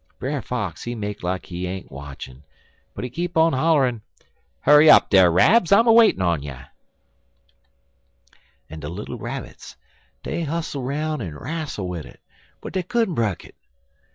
Brer Fox, he make like he ain't watchin', but he keep on holler'n: "'Hurry up dar, Rabs! I'm a waitin' on you.' "En de little Rabbits, dey hustle 'roun' en rastle wid it, but they couldn't broke it.